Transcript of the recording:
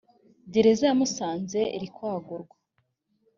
gereza ya musanze iri kwagurwa